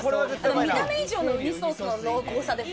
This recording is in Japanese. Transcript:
見た目以上のウニソースの濃厚さです。